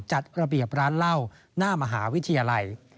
จัดระเบียบร้านเหล้าหน้ามหาวิทยาลัย